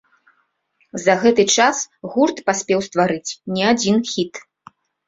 За гэты час гурт паспеў стварыць не адзін хіт.